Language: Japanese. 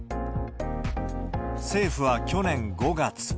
政府は去年５月。